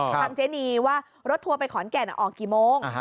เจนีว่ารถทัวร์ไปขอนแก่นออกกี่โมง